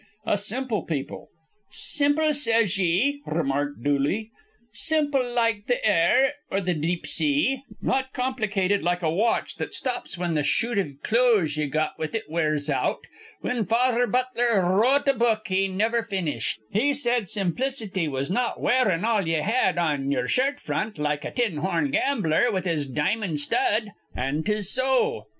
A simple people! "Simple, says ye!" remarked Mr. Dooley. "Simple like th' air or th' deep sea. Not complicated like a watch that stops whin th' shoot iv clothes ye got it with wears out. Whin Father Butler wr rote a book he niver finished, he said simplicity was not wearin' all ye had on ye'er shirt front, like a tin horn gambler with his di'mon' stud. An' 'tis so."